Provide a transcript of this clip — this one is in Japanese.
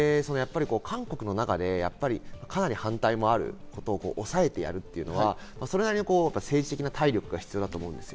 韓国の中でかなり反対もあることを抑えてやるというのは、それなりの政治的な体力が必要だと思うんです。